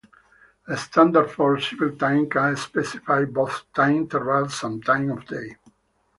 A standard for civil time can specify both time intervals and time-of-day.